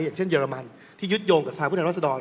อย่างเช่นเรมันที่ยึดโยงกับสภาพผู้แทนรัศดร